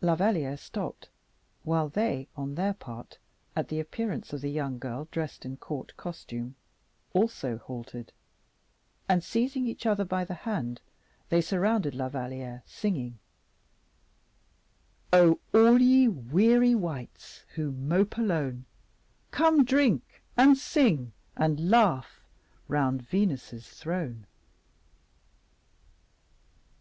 La Valliere stopped; while they, on their part, at the appearance of the young girl dressed in court costume, also halted, and seizing each other by the hand, they surrounded La Valliere, singing, "Oh! all ye weary wights, who mope alone, Come drink, and sing and laugh, round Venus' throne."